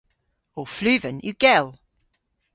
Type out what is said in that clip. Ow fluven yw gell.